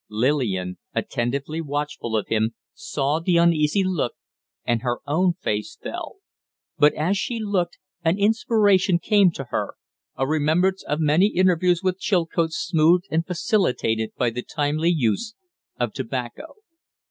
Lillian, attentively watchful of him, saw the uneasy look, and her own face fell. But, as she looked, an inspiration came to her a remembrance of many interviews with Chilcote smoothed and facilitated by the timely use of tobacco.